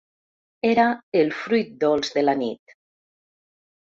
Era el fruit dolç de la nit.